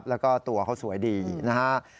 แล้วก็ตัวเขาสวยดีนะฮะ